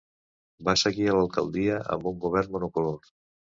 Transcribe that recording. Va seguir a l'alcaldia amb un govern monocolor.